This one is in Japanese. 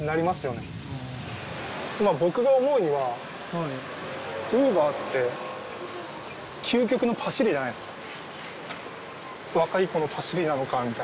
まあ僕が思うにはウーバーって究極のパシリじゃないっすか。